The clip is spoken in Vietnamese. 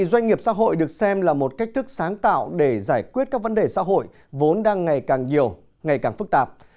doanh nghiệp xã hội được xem là một cách thức sáng tạo để giải quyết các vấn đề xã hội vốn đang ngày càng nhiều ngày càng phức tạp